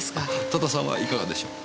多田さんはいかがでしょう？